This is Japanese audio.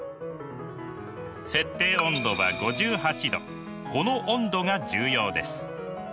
設定温度はこの温度が重要です。